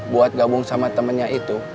buat gabung sama temennya itu